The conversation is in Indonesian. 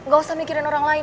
gak usah mikirin orang lain